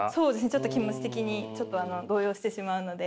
ちょっと気持ち的にちょっと動揺してしまうので。